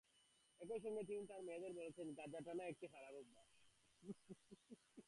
একই সঙ্গে তিনি তাঁর মেয়েদের বলেছেন, গাঁজা টানা একটি খারাপ অভ্যাস।